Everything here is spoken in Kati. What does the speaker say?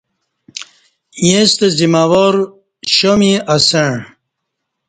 ییݩستہ زمہ وار شا می اسݩع